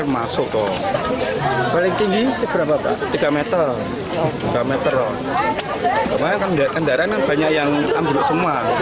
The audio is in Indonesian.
masuk paling tinggi seberapa tiga m meter meter banyak yang semua